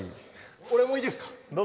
俺もいいですか？